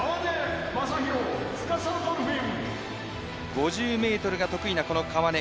５０ｍが得意な川根。